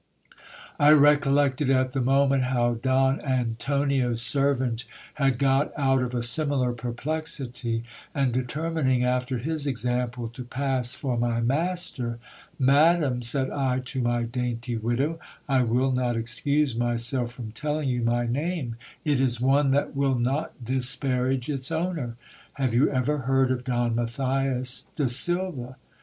I recollected at the moment how Don Antonio's servant had got out of a similar perplexity ; and determining, after his example, to pass for my master — Madam, said I to my dainty widow, I will not excuse myself from telling you THE ADVENTURE ENDS IN A MUTUAL SURPRISE. 93 my name, it is one that will not disparage its owner. Have you ever heard of Don Matthias de Silva ?